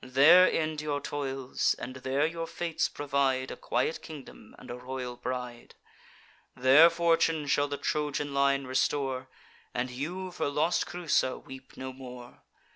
There end your toils; and there your fates provide A quiet kingdom, and a royal bride: There fortune shall the Trojan line restore, And you for lost Creusa weep no more.